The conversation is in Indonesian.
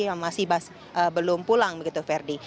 yang masih belum pulang begitu ferdi